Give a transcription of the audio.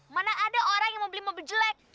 mana ada orang yang mau beli mobil jelek